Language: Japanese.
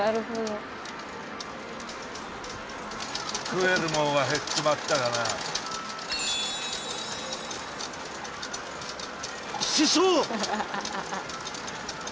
食えるもんは減っちまったがな師匠！